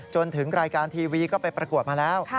จนถึงรายการทีวีก็ไปประกวดมาแล้ว